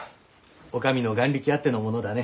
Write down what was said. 女将の眼力あってのものだね。